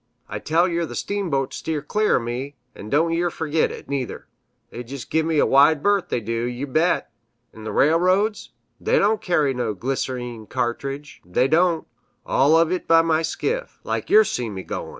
I tell yer th' steamboats steer clear o' me, an' don' yer fergit it, neither; they jist give me a wide berth, they do, yew bet! 'n' th' railroads, they don' carry no glyser_een_ cartridge, they don't all uv it by skiff, like yer see me goin'."